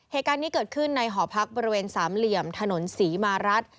เหตุการณ์นี้เกิดขึ้นในหอพักบริเวณสามเหลี่ยมถนนศรีมารัฐ